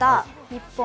日本